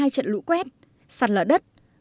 một mươi hai trận lũ quét sạt lở đất